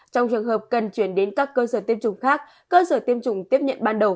trong trường hợp cần chuyển đến các cơ sở tiêm chủng khác cơ sở tiêm chủng tiếp nhận ban đầu